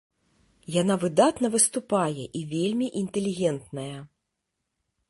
Яна выдатна выступае і вельмі інтэлігентная!